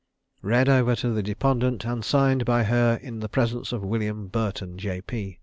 Read over to the deponent, and signed by her in the presence of William Burton, J. P.